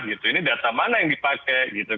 ini data mana yang dipakai gitu